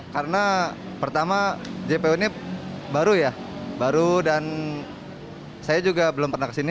karena pertama jpo ini baru ya baru dan saya juga belum pernah kesini